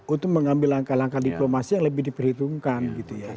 untuk mengambil langkah langkah diplomasi yang lebih diperhitungkan gitu ya